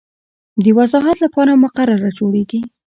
د وضاحت لپاره مقرره جوړیږي.